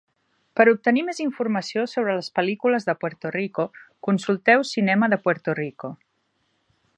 Per obtenir més informació sobre les pel·lícules de Puerto Rico, consulteu Cinema de Puerto Rico.